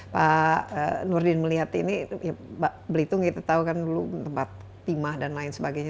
pak nurdin melihat ini belitung kita tahu kan dulu tempat timah dan lain sebagainya